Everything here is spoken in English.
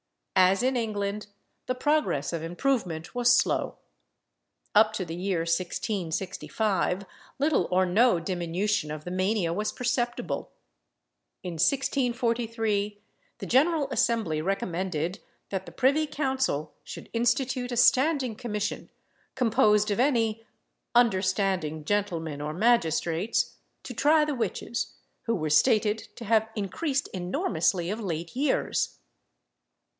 As in England, the progress of improvement was slow. Up to the year 1665, little or no diminution of the mania was perceptible. In 1643, the General Assembly recommended that the privy council should institute a standing commission, composed of any "understanding gentlemen or magistrates," to try the witches, who were stated to have increased enormously of late years.